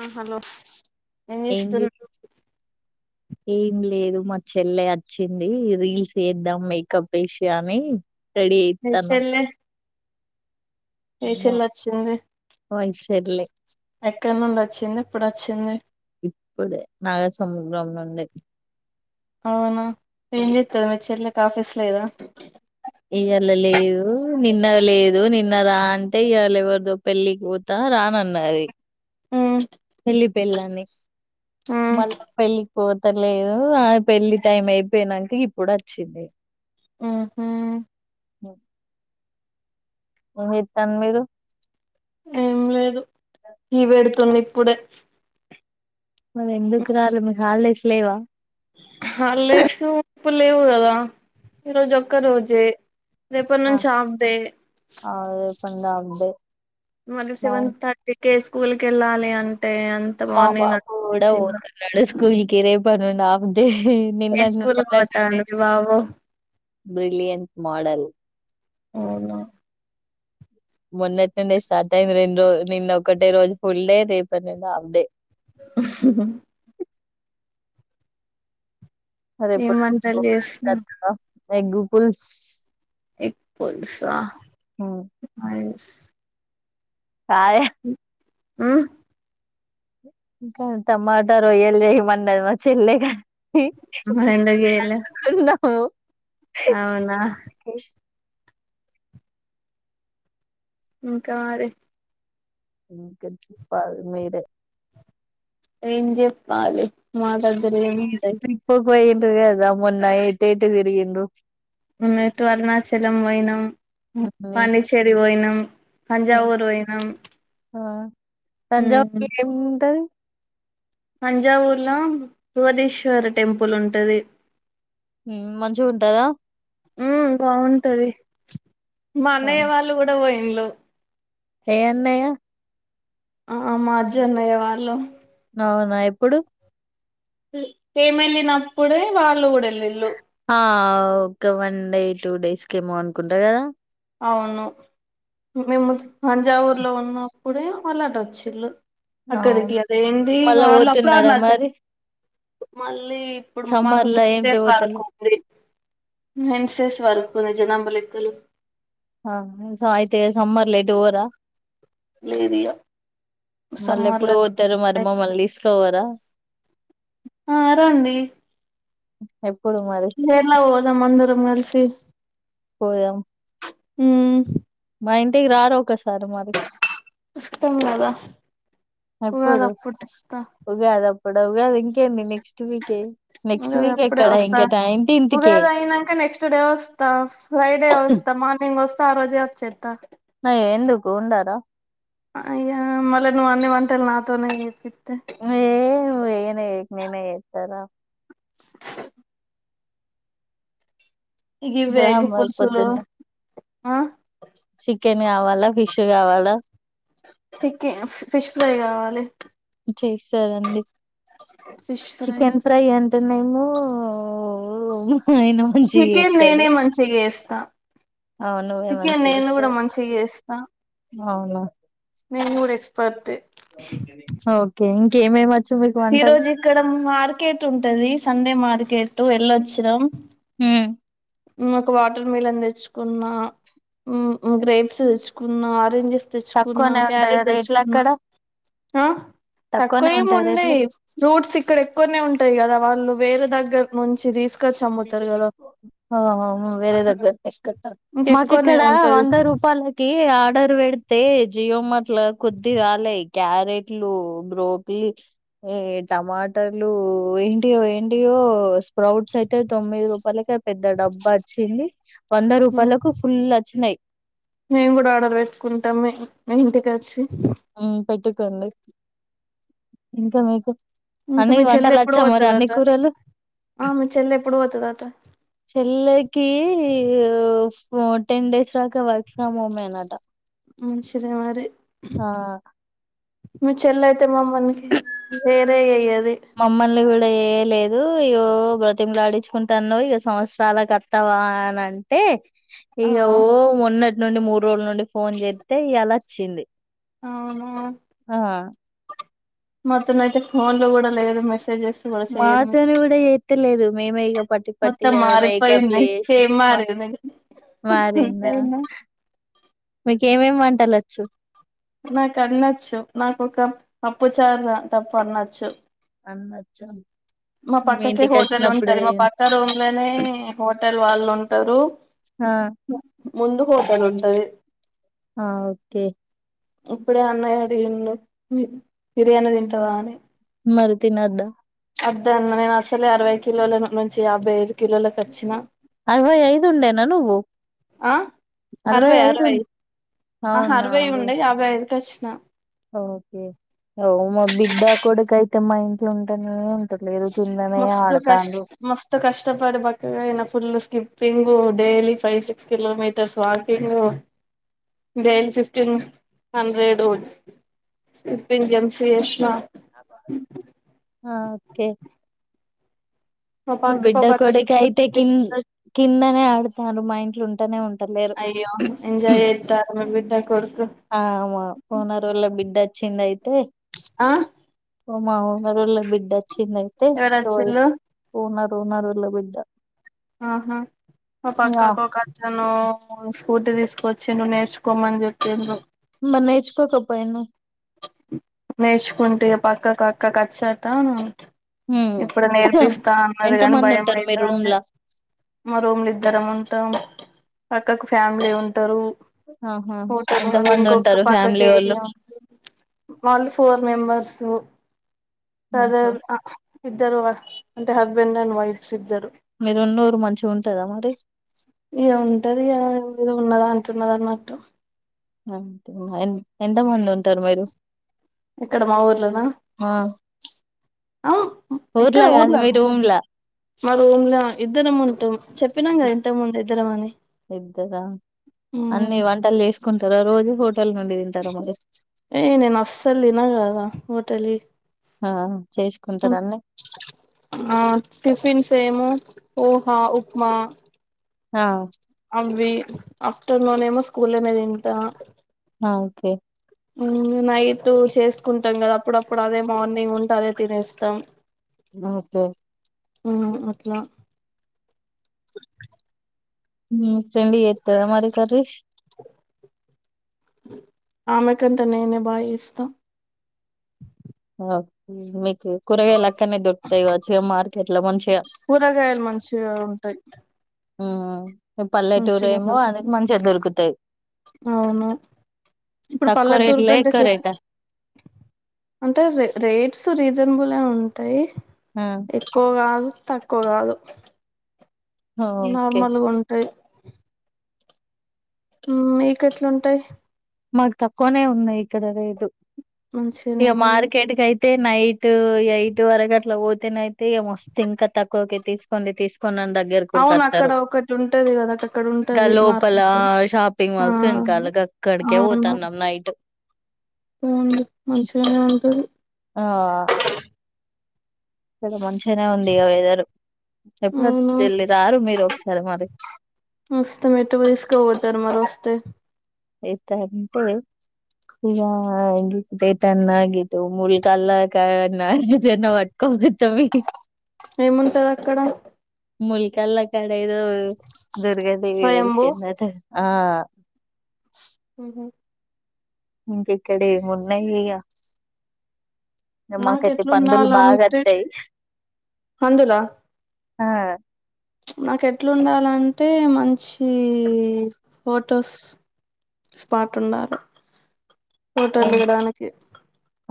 ఆ హలో ఏం చేస్తున్న ఏం లేదు మా చెల్లె వచ్చింది రీల్స్ ఏద్దాం మేకప్ ఏషి అని రెడి మీ అయితనం ఏసం నచ్చింది వైఫ్ చెల్లె ఎక్కడ నుండి వచ్చింది ఇప్పుడు వచ్చింది ఇప్పుడే నాగ సముద్రం నుండి అవునా ఏం చెతది మీ చెల్లకి ఆఫీస్ లేదా ఇయల లేదు నిన్న లేదు నిన్న రా అంటే ఇయళ ఎవరిదో పెళ్ళికి పోతా రానన్నది ఉమ్ పిల్లి పెళ్లని ఉమ్ మళ్ల పెళ్లి పోతలేదు ఆ పెళ్లి టైం అయిపోయినంక ఇప్పుడు వచ్చింది. ఉహూ ఏం చేత్తాన్ మీరు ఏం లేదు టీ వెడుతుంది ఇప్పుడే మరి ఎందుకు రాలే మీకు హాలిడేస్ లేవా హాలిడేస్ ఇప్పుడు లేవు కదా ఈరోజు ఒక్క రోజే రేపటి నుంచి హాఫ్ డే పందా ఉందే మళ్లీ సెవెన్ థర్టీ కే స్కూల్ కెళ్లాలి అం మా బాబు కూడా ఓతున్నడు స్కూల్ కి రేపడినుండి ఆ ఎహే ఏ నిన్నట్ స్కూల్ కి మొన్నట్ నుండే పోతాండు మీ బాబు బ్రిలియంట్ మోడల్ అవునా మొన్నటి నుండి స్టాట్ అయింది రెండు రోజు నిన్న ఒకటే రోజు ఫుల్ డే, రేపటి నుండి హాఫ్ డే. అా ఏం వంటలు చేసినవ్ [inaudible] ఏ గూగుల్స్ ఎగ్గ్ పులుసా హు ఆయే హుమ్ ఇంకా తమాటా రొయ్యల్ చేయమన్నది మా చెల్లే కా మరి ఎందుకు చేయలే [unintelligible] అవునా ఇంకా మరి ఇంకా చెప్పాలి మీరే ఏం చెప్పాలి మా దగ్గర ఏం ఉంటాయి ట్రిప్‌కి పోయిండ్రు కదా మొన్న ఎటేటు తిరిగిండ్రు ఎటు అరుణాచలం పోయినాం, పాండిచ్చేరి పోయినాం. తంజావూరు వొయినాం హ తంజావూరుల ఏం ఉంటది. తంజావూర్ల రువదీశ్వర టెంపుల్ ఉంటది. ఉమ్ మంచిగా ఉంటదా ఉ బావుంటది, మా అన్నయ్య వాళ్ళు కూడా పోయిండ్లు. ఏ అన్నయ్య ఆ మా అజ్జన్నయ్య వాళ్ళు అవునా ఎప్పుడు మేము ఎళ్ళినప్పుడే వాళ్ళు కూడా ఎళ్లిళ్ళు ఆ ఒక వన్ డే టూ డేస్ కేమో అనుకుంటా కదా అవును మేము తంజావూర్లో ఉన్నప్పుడే వాళ్లు అటు వచ్చిళ్ళు. ఆ, అక్కడకి అది ఏంది మళ్ళా వాళ్ళు అప్పుడ పోతున్నారా అరుణాచలం మరి మళ్ళీ ఇప్పుడు మాకు సమ్మర్ లో ఏంటి సెన్సెస్ వర్క్ పోతలే ఉంది సెన్సెస్ వర్ మన జనాభా లెక్కలు ఆ స అయితే సమ్మర్ల ఎటు ఓరా లేదు ఇగ మళ్ళ సమ్మర్ ఎప్పుడు లో వోతారు మరి నెక్స్ట్ మమ్మల్ని తీసుకవోరా ఆ రండి ఎప్పుడు మరి కేరళ పోదం అందరం కలిసి పోదాం ఉమ్ మా ఇంటికి రారి ఒక్కసా వస్తం కదా ఉగాది ఎప్పుడు అప్పుడు వస్తా ఉగాదాప్పుడా ఉగాది ఇం కేంది నెక్స్ట్ వీకే, నెక్స్ట్ ఉగాది వీక్ అప్పుడే ఎక్కడ వస్తా ఇంకా నైన్టీన్త్ కేే ఆ ఫ్రైడే వస్తా మార్నింగ్ వస్తా ఆ రోజే వచ్చేతా ఉండారా ఆ ఇగా మళ్ళ నువ్వు అన్ని వంటలు నాతోనే చేపి ఏను ఏనే నేనే ఇతారా ఇగ ఇవ్వ రా ఎగ మరి పుల్సులు పొద్దున్న చికెన్ కావాలా ఫిష్ కావాలా చెకే ఫిష్ ఫ్రై కావాలి చేసారండి చికెన్ ఫ్రై అంటేనేేమో ఓ ఓ మా అయ్యన చికెన్ మంచిగతాడు నేనే మంచిగా చేస్తా అవు నువ్వేమని చికెన్ నేను చేస్త కూడా మంచిగా చేస్తా అవును నేను కూడా ఎక్స్పర్ట్ ఏ ఓకే ఇంకేమేమి వచ్చు మీకు ఈ వంటలు రోజు ఇక్కడ మార్కెట్ ఉంటది సండే మార్కెట్ వెళ్ళొచ్చిన ఒక వాటర్ మిలన్ తెచ్చుకున్న గ్రేప్స్ తెచ్చుకున్న ఆరెంజెస్ తెచ్చుకున్నా తక్కువనే ఉంటాయా క్యారెట్ రేట్లు తెచ్చుకున్నా అక్కడ ఆ తక్కువ తక్కువనే ఏమి ఉంటాయా రేట్లు ఉండేయి ఫ్రూప్ట్స్ ఇక్కడ ఎక్కువనే ఉంటాయి కదా వాళ్ళు వేరే దగ్గర దగ్గ నుంచి తీసుకొచ్చి అమ్ముతారు కదా హ వేరే దగ్గర మాకీ ఇంకెక్కువనే ఇక్కడ ఉంటది వంద రూపాయలకి ఆర్డర్ పెడితే జియో మట్ల కొద్ది రాలే క్యారెట్లు బ్రోక్లీ ఏ టమాటర్లు ఏంటి ఓ ఏంటి ఓ స్ప్రౌట్స్ యితే అే తొమ్మిది రూపాయలక పెద్ద డబ్బా వచ్చింది వంద రూపాయలకు ఫుల్ వచ్చినాయి మేము కూడా ఆర్డర్ పెట్టుకుంటామె ఇంటికి వచ్చి పెట్టుకుండి ఇంకా మీకు ఇంకా మీ అన్నయ్య కీ చెల్లి వంటలు ఎప్పుడు వచ్చా మరి అన్ని పోతదట కూరలు ఆ మీ చెల్లి ఎప్పుడు పోతదట చెల్లెకి టెన్ డేస్ రాలాకా వర్క్ ఫ్రమ్ హోమ్నంట మంచిదే మరి ఆ మీ చెల్లి అయితే మమ్మల్ని వేరే అయ్యది మమ్మల్ని కూడా ఏ లేదు ఇయ్యో బ్రతిమలాడిు కుంటాను్ ఇక సంవత్సరాల కత్తవా అని అంటే ఇక ఆ ఓ ఉన్న నుండి మూడు రోజుల నుండి ఫోన్ చేస్తే ఇలా వచ్చింది అవునా ఆ మొత్తం అయితే ఫోన్ లో కూడా లేదు మె స్ చెయదు మాతోని కూడా చేత్తలేదు మేమే ఇగ పట్టి మొత్తం పట్టిగా మేకప్లు మారిపోయింది ఏసి మా [unintelligible] మారిందా అంతేనా మీక ఏమేమి వంటలచ్చు నాకు అన్నో ఒచు నాకు ఒక అప్పు చార్ తప్పు అనొచ్చు అన్నచ్చం మా పక్కకి హోటల్ ఉంటది మా పక్క రూమ్ లోనే హోటల్ వాళ్ళు ఉంటారు ఆ ముందు పోగాను ఉంటది ఆ ఓకే ఇప్పుడే అన్నాయడిన్న బిర్యానీ తింటావా అని మరి తిన్నోదా వాదన నేను అసలు అరవై కిలోల నుంచి యాభై ఐదు కిలో ఖచ్చచిన అరవై ఐదు ఉండేనా నువ్వు అరవై ఐదు ఆ అరవై అవునా ఉండే యాభై ఐదుకి వచ్చి ఓకే అఓ మా బిడ్డ కొడకైతేమ్ మా ఇంట్లో ఉంటానే ఉంటట్లేదు మస్తు కష్ట మస్తు కష్టపడ బన full skipping daily five six kilometres walking day కీ ఫిఫ్టీన్ హండ్రెడ్ ఫిఫ్టీన్ గెమ్స్ ఎస్ ఆ ఓకే మా పక్కకు బిడ్డ ఒక అతను కొడుకు అయితే స్కూటీ కింగ్. తీసుకొచ్చి కిందనే ఆడుతాడు. మా ఇంట్లు ఉంటేనే ఉంట లేరు. అయ్యో ఎంజాయ్ చేత్తారు మీ బిడ్డ కొడుకు ఆ మా ఓనరో లా బిడ్డ వచ్చింద అయితే. ఆ మా ఓనర్ రోళ్ళ బిడ్డ వచ్చింది. అయితే ఎటో పోయింది. ఎవరొచ్చిళ్ళు ఓనర్ ఓనర్ రోళ్ళ బిడ్డ. [unintelligible] ఆ స్కూటీ తీసుకొచ్చి డు నేర్చుకోమని చెప్పిండు. మరి నేర్చుకోకపోయినా వ్. నేర్చుకుంటే పక్క క అక్కకి వచ్చాక హ్మ్ ఇప్పుడు నేర్పిస్తా. అన్నది ఎంత గాని మంది భయం ఉంటారు మీ రూమ్ అయితాంది. లా మా రూమ్లు ఇద్దరం ఉంటాం. పక్కకు ఫ్యామిలీ ఉంటారు. ఆహా పోతారు ఎంత వాళ్లు మంది ఇంకొక్క ఉంటారు పక్కకు ఫ్యామిలీ వోళ్ళు ఏరియా ఉంటది. వాళ్ళు ఫోర్ మెంబర్సు సరే ఆహా ఇద్దరు వర్క్. అంటే హస్బెండ్ అండ్ వైఫ్స్ ఇద్దరు. మీరున్న ఊరు మంచిగా ఉంటదా మరి ఇగ ఉంటది కదా ఉన్నదానికి. [unintelligible] అ ఎంత మంది ఉంటారు మీరు. ఎక్కడ మా ఊర్లోనా. అవు ఊర్ల ఎక్కడ కాదు ఊర్లో మీ రూమ్ ల. మా రూమ్ ల ఇద్దరంముంటూ చెప్పినాం. కదా ఇంత ముందు ఇద్దరం అని. ఉమ్ అన్నివంటలు చేసుకుంటారా రోజు హో. ఏ నేను అస్సలు తిన కదా హోటల్ యి. ఆ చేసుకుంటారా అన్ని ఆ టిఫిన్స్ ఏమో. పోహ ఉప్మా. ఆ ఇ వి ఆఫ్టర్నూన్ ఏమో స్కూల్ లోనే తింటా. ఆ ఓకే నైట్ చేసుకుంటాం. కదా అప్పుడప్పుడు అదే మార్నింగ్ ఉంటే అదే తినేస్తాం. ఓకే ఆ అట్లా. మీ ఫ్రెండ్ చేతదా మరి కర్రీస్. ఆమె కంట నేనే బా గా చేస్తా. ఆ మీకు కూరగాయలు అక్కనే దొరుకుతాయి. కావచ్చు మార్కెట్ లో మంచిగా. చ ఉంటాయి. ఆ పల్లెటూరు మంచిగా ఏమో అందుకు దొరుకుతాయి మంచిగా దొరుకుతాయి. అవును ఇప్పుడు తక్కువ పల్లెటూరు రేట్ల కంటే ఎక్కువ సిటీ రేటా. అంటే రే రేట్స్ రీజనబుల్ ఉంటాయి. ఆ ఎక్కువ కాదు. తక్కువ కాదు. ఓకే నార్మల్గా ఉంటాయి. హ్మ్ మీకెట్లుంటాయి. మాకు తక్కువనే ఉన్నాయి. ఇక్కడ రేటు మంచిగానే ఇగ మరి మార్కెట్కియితే. అయితే నైట్ ఎయిట్ వరకు అట్లా పోతేనయితే. మస్తు ఇంకా తక్కువకే తీసుకోండి తీసు. కోనండాన్ని దగ్గరికి ఊరికి వో అవును అక్కడ త్తరు, ఒకటి ఉంటది కదా అక్కడ ఇంకా ఉంటది లోపల మార్కెట్ షాపింగ్ ఆ మాల్స్ ఏ. కల్ అవును గ క్కడికి కే పోతున్నాం నైట్. అవునా మంచిగానే ఉంటాయి. ఆ ఇవాళ మంచిగానే ఉంది ఇగ వెదరు. ఎప్పుడ అవును జిల్ది రారు మీరు ఒకసారి మరి ట్ వ తీసుకో పోతారు ంత ఎటంటే ఇ గతన్నా గతే ముూల్ కాల కన్నాతే వాట్కో తవి ఏముంటది అక్కడ ములికల్ల్లో అక్కడ ఏదో దుర్గాదేవి స్వయంభూ వెలిసిందట ఆ ఉహుమ్ ఇక్కడ ఏమున్నాయి ఇగా నాకు మాకైతే పందులు బాగా ఎట్లుండాలంటే వత్తాయి అందులా ఆ నాకు ఎట్లుండాలంటే మంచి ఫోటోస్ స్పాట్ ఉండాలా ఫోటోల్ ఇన్ దిగడానికి.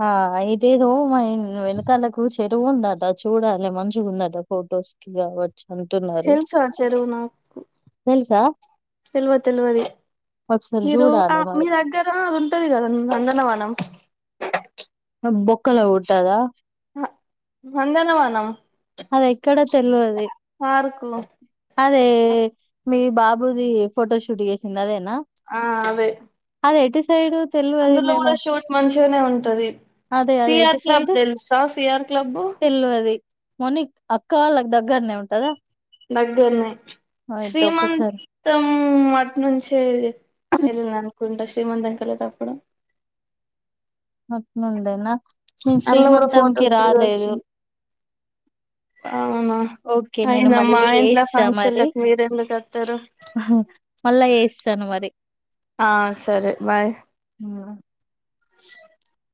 ఆ ఇదేద్ద మా వెనాకలకు చెరువు ఉందట చూడాలి మంచిగా ఉందట ఫొటోస్ కి కాబట్టి అంటంటున్నారు తెలుసా తెలిసి తెలివదు తెలివదు ఒకసారి మీరు ఆ చూడాలి మీ మరి దగ్గర అది ఉంటది కదండి వందనవనం బొక్కలా ఉంటాదా వందనవనం అది ఎక్కడ తేల్వది. పార్కు అదే మీ బాబుది ఫోటో షూట్ చేసింది అదే నా ఆ అవే సైడు తెల్వది అందులో కూడా మేము షూట్ మంచిగానే ఉంటది అదే అది ఎటు ఫియర్ క్లబ్ సైడ్ తెలుసా ఫియర్ క్లబు మొనిక్ అక్క వాళ్ళకు దగ్గరనే ఉంటదా దగ్గరనే అయితే ఒక్కసారి శ్రీమంతం అటి నుంచే ఎల్ నా అనుకుంటా శ్రీమంతంకెళ్లేటప్పుడు మొత్తముందేనా మేమ్ అందులో కూడా శ్రీమంతంకి ఫొటోస్ రాలేదు. దిగొచ్చు అవునా ఓకే. నేను అయిన మా మళ్ళీ ఇంట్లా ఏస్తా మరి. ఫంక్షన్లలకు మీరు ఎందుకు వత్తరు టను మారి ఆ సరే బాయ్ ఆ హ.